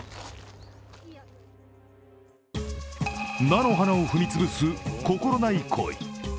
菜の花を踏み潰す、心ない行為。